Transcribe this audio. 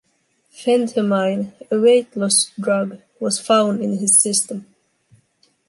Phentermine, a weight-loss drug, was found in his system.